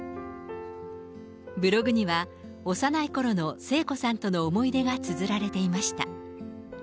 ブログには、幼いころの聖子さんとの思い出がつづられていました。